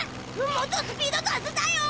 もっとスピード出すだよ！